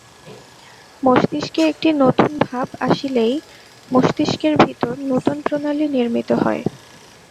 মস্তিষ্কে একটি নূতন ভাব আসিলেই মস্তিষ্কের ভিতর নূতন প্রণালী নির্মিত হয়।